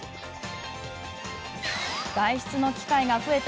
外出の機会が増えた